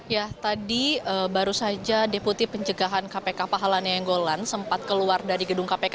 ya tadi baru saja deputi penjagaan kpk pahalanya enggolan sempat keluar dari gedung kpk